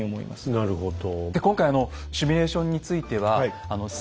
なるほど。